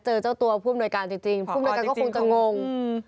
เจอเจ้าตัวผู้อำนวยการจริงผู้อำนวยการก็คงจะงง